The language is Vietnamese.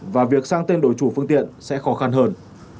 và việc sang tên đổi chủ phương tiện sẽ khó khăn hơn